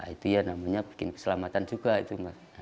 itu ya namanya bikin keselamatan juga itu